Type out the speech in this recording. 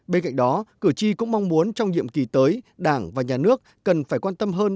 bên cạnh đó cử tri cũng mong muốn trong nhiệm kỳ tới đảng và nhà nước cần phải quan tâm hơn